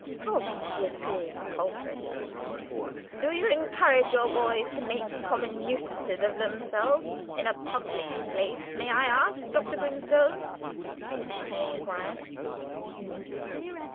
Coggs was clearly the culprit. "Do you encourage your boys to make common nuisances of themselves in a public place, may I ask, Dr. Grimstone?" he inquired, fuming.